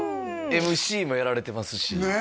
ＭＣもやられてますしねえ